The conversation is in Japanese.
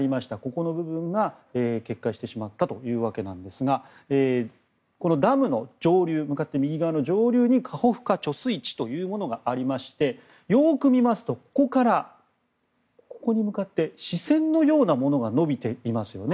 この部分が決壊してしまったというわけですがこのダムの上流にカホフカ貯水池というものがありましてよく見ますとここからここに向かって支線のようなものが延びていますよね。